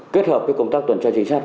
kết hợp với công tác tuần tra chính sách